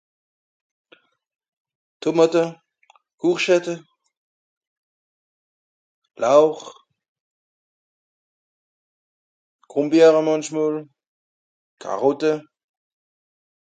Tomàte, Courgette, Lauch, Grùmbeere mànchmol, Karotte